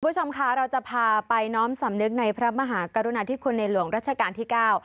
คุณผู้ชมค่ะเราจะพาไปน้อมสำนึกในพระมหากรุณาธิคุณในหลวงรัชกาลที่เก้า